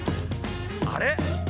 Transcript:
あれ？